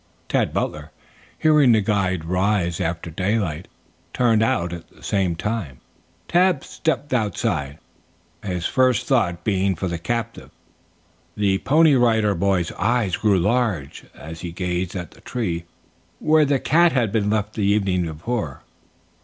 Tad Butler, hearing the guide rise after daylight, turned out at the same time. Tad stepped outside, his first thought being for the captive. The Pony Rider boy's eyes grew large as he gazed at the tree where the cat had been left the evening before.